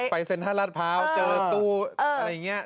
ไปเซ็นทรย์ห้าร้าดพร้าวเจอตู้อะไรอย่างเงี้ย